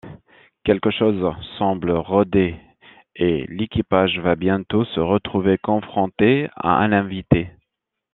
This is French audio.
Quelque chose semble rôder... Et l'équipage va bientôt se retrouver confronté à un invité...